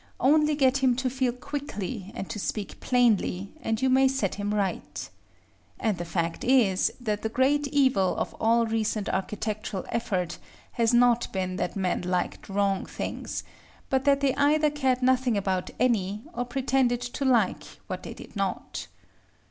Only get him to feel quickly and to speak plainly, and you may set him right. And the fact is, that the great evil of all recent architectural effort has not been that men liked wrong things: but that they either cared nothing about any, or pretended to like what they did not.